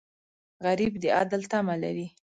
غریب د عدل تمه لري